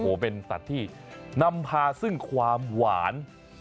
โอ้โหเป็นสัตว์ที่นำพาซึ่งความหวาน